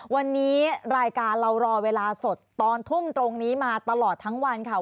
วันนี้รายการเรารอเวลาสดตอนทุ่มตรงนี้มาตลอดทั้งวันค่ะ